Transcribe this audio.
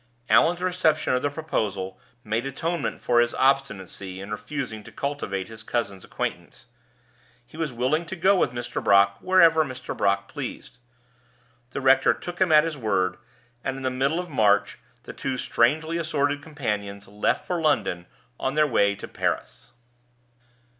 Allan's reception of the proposal made atonement for his obstinacy in refusing to cultivate his cousin's acquaintance; he was willing to go with Mr. Brock wherever Mr. Brock pleased. The rector took him at his word, and in the middle of March the two strangely assorted companions left for London on their way to Paris.